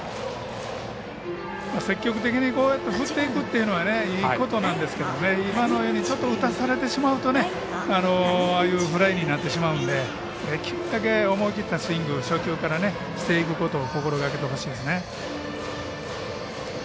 積極的にこうやって振っていくのはいいことなんですけどね、今のように打たされてしまうとああいうフライになってしまうので思い切ったスイングを初球からしていくことを心がけてほしいですね。